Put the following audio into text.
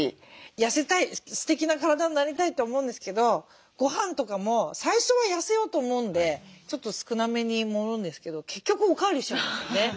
痩せたいすてきな体になりたいと思うんですけどごはんとかも最初は痩せようと思うんでちょっと少なめに盛るんですけど結局お代わりしちゃうんですよね。